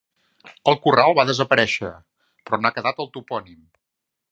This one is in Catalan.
El corral va desaparèixer, però n'ha quedat el topònim.